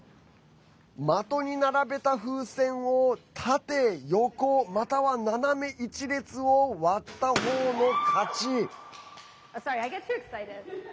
的に並べた風船を、縦、横または斜め１列を割った方の勝ち。